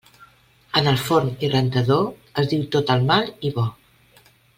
En el forn i rentador, es diu tot el mal i bo.